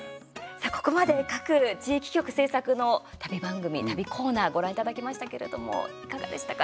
さあ、ここまで各地域局制作の旅番組、旅コーナーご覧いただきましたけれどもいかがでしたか？